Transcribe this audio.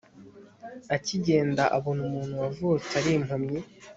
akigenda abona umuntu wavutse ari impumyi